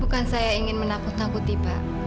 bukan saya ingin menakut nakuti pak